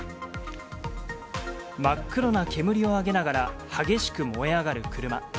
真っ黒な煙を上げながら、激しく燃え上がる車。